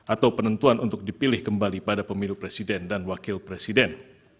atau penentuan untuk dipilih kembali pada pemilu presiden dan wakil presiden